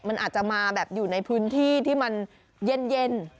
มันอาจจะมาแบบอยู่ในพื้นที่ที่มันเย็น